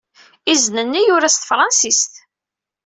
Izen-nni yura s tefṛensist.